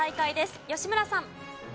吉村さん。